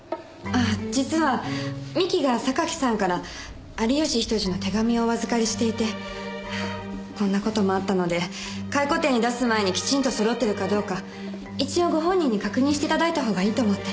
あ実は三木が榊さんから有吉比登治の手紙をお預かりしていてこんなこともあったので回顧展に出す前にきちんとそろっているかどうか一応ご本人に確認していただいた方がいいと思って。